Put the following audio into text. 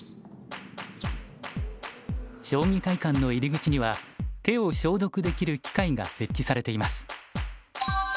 将棋会館の入り口には手を消毒できる機械が設置されています。